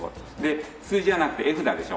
数字じゃなくて絵札でしょ？